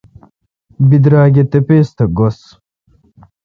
بدرآگ اے° تپیس تھہ گؙس۔